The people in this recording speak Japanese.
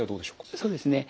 そうですね。